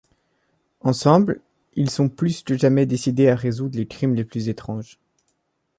Ensemble, ils sont plus que jamais décidés à résoudre les crimes les plus étranges…